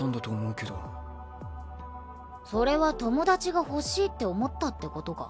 それは友達が欲しいって思ったってことか？